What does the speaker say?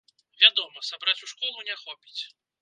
Вядома, сабраць у школу не хопіць.